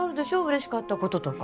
嬉しかったこととか。